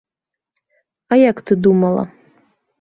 А як ты думала?